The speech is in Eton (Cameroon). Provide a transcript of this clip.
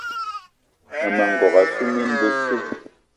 Mmema n'gogué assu mine besse.